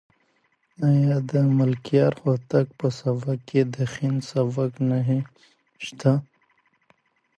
آیا د ملکیار هوتک په سبک کې د هندي سبک نښې شته؟